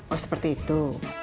oh seperti itu